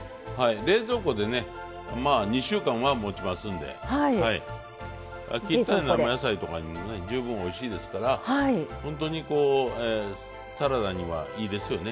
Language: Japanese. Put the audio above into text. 冷蔵庫でねまあ２週間はもちますんで切った生野菜とかにもね十分おいしいですから本当にサラダにはいいですよね。